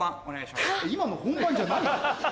今の本番じゃないの？